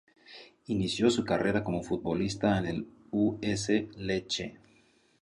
Inició su carrera como futbolista en el U. S. Lecce.